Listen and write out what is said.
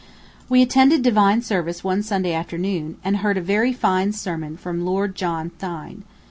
We attended divine service one Sunday afternoon, and heard a very fine sermon from Lord John Thynne.